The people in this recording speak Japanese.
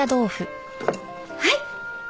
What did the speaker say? はい！